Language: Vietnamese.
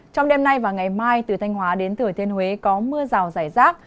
trong đêm nay và ngày mai từ thanh hóa đến thừa thiên huế có mưa rào rải rác